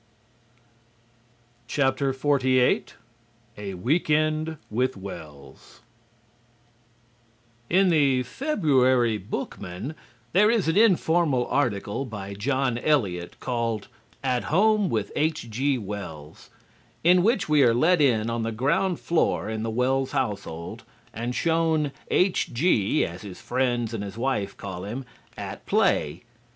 XLVIII A WEEK END WITH WELLS In the February Bookman there is an informal article by John Elliot called "At Home with H.G. Wells" in which we are let in on the ground floor in the Wells household and shown "H.G." (as his friends and his wife call him) at play.